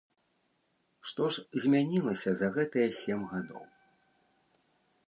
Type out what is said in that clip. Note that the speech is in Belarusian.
Што ж змянілася за гэтыя сем гадоў?